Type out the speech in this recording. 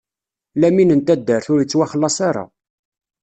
Lamin n taddart, ur ittwaxellaṣ ara.